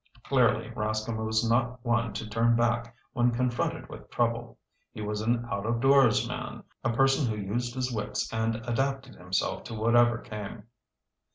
Clearly, Rascomb was not one to turn back when confronted with trouble. He was an out of doors man, a person who used his wits and adapted himself to whatever came.